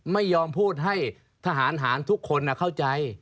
ไม่ยอมพูดให้ทหารหารทุกคนเข้าใจ